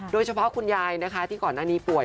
โดยเฉพาะคุณยายนะครับที่ก่อนอันนี้ป่วย